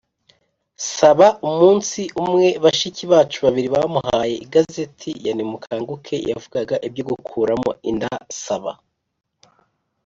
Saba Umunsi umwe bashiki bacu babiri bamuhaye igazeti ya Nimukanguke yavugaga ibyo gukuramo inda Saba